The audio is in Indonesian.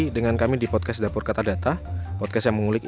dapur kata data podcast